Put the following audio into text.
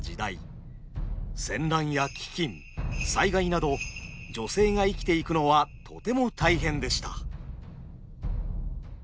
戦乱や飢きん災害など女性が生きていくのはとても大変でした。